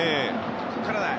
ここからだよ。